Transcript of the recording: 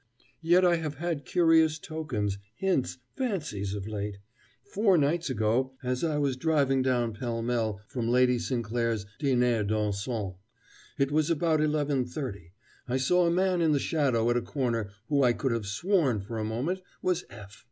Yet I have had curious tokens, hints, fancies, of late. Four nights ago, as I was driving down Pall Mall from Lady Sinclair's diner dansant it was about eleven thirty I saw a man in the shadow at a corner who I could have sworn for a moment was F.